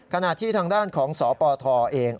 ขณะที่ทางด้านของสปทเอง